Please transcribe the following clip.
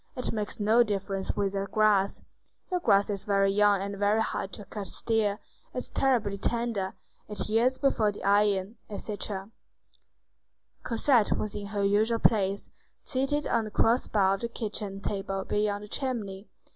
It makes no difference with that grass. Your grass is young and very hard to cut still. It's terribly tender. It yields before the iron." Etc. Cosette was in her usual place, seated on the cross bar of the kitchen table near the chimney.